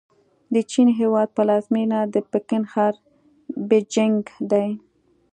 د چین هېواد پلازمېنه د پکن ښار بیجینګ دی.